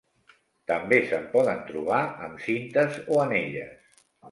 També se'n poden trobat amb cintes o anelles.